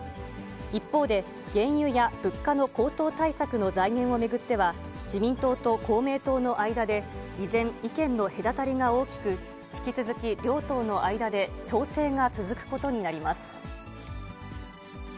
一方で、原油や物価の高騰対策の財源を巡っては、自民党と公明党の間で、依然、意見の隔たりが大きく、引き続き、両党の間で調整が続くことになります。